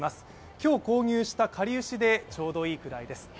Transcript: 今日購入したかりゆしでちょうどいいくらいです。